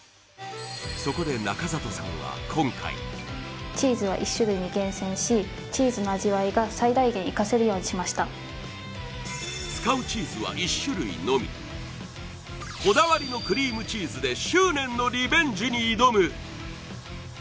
そこで中里さんは今回！ようにしました使うチーズは１種類のみこだわりのクリームチーズで執念のリベンジに挑む！